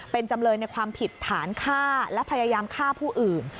เป็นจำเลยในความผิดฐานฆ่าและพยายามฆ่าผู้อื่น